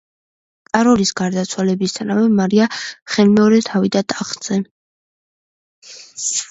კაროლის გარდაცვალებისთანავე, მარია ხელმეორედ ავიდა ტახტზე.